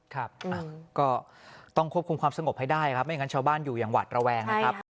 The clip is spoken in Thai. ครับก็ต้องควบคุมความสงบให้ได้ครับไม่งั้นชาวบ้านอยู่อย่างหวัดระแวงนะครับ